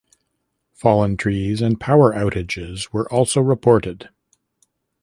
Fallen trees and power outages were also reported.